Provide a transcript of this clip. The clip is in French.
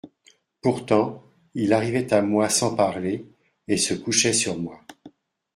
Pourtant, il arrivait à moi sans parler et se couchait sur moi.